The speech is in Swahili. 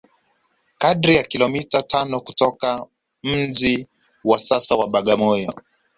kadri ya kilomita tano kutoka mji wa sasa wa Bagamoyo